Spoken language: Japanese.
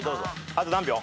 あと何秒？